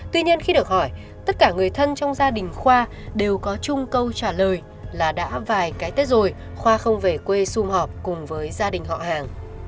tuy nhiên khi được hỏi tất cả người thân trong gia đình khoa đều có chung câu trả lời là đã vài cái tết rồi khoa không về quê xung họp cùng với gia đình họ hàng